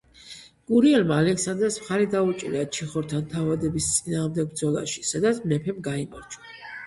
გურიელმა ალექსანდრეს მხარი დაუჭირა ჩიხორთან თავადების წინააღმდეგ ბრძოლაში, სადაც მეფემ გაიმარჯვა.